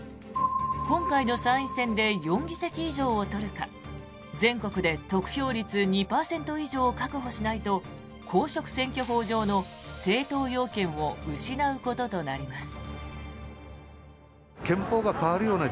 今回の参院選で４議席以上を取るか全国で得票率２％以上を確保しないと公職選挙法上の政党要件を失うこととなります。